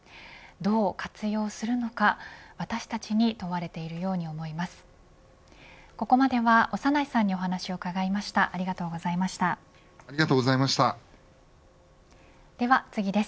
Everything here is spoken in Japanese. どう活用するのか私たちに問われているように思います。